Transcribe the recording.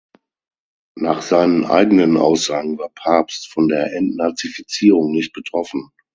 Nach seinen eigenen Aussagen war Pabst von der Entnazifizierung nicht betroffen.